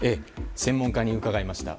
専門家に伺いました。